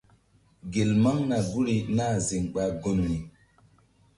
Gel maŋna guri nah ziŋ ɓa gunri.